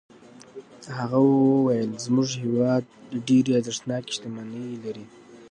هغه وویل زموږ هېواد ډېرې ارزښتناکې شتمنۍ لري.